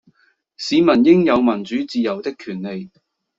市民應有民主自由的權利